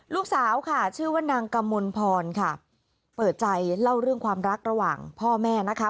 ลูกสาวค่ะชื่อว่านางกมลพรค่ะเปิดใจเล่าเรื่องความรักระหว่างพ่อแม่นะคะ